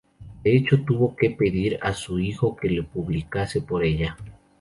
De hecho tuvo que pedir a su hijo que lo publicase por ella.